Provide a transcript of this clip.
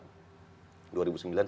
saya keluar dari konsultan maupun auditor